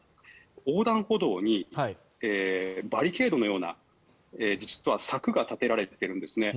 横断歩道にバリケードのような柵が立てられているんですね。